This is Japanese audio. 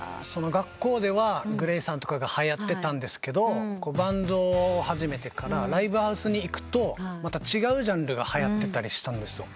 学校ではＧＬＡＹさんとかがはやってたんですけどバンドを始めてからライブハウスに行くとまた違うジャンルがはやってたりしたんですよ。